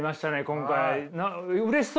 今回。